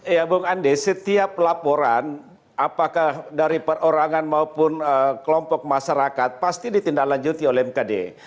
ya bung andi setiap laporan apakah dari perorangan maupun kelompok masyarakat pasti ditindaklanjuti oleh mkd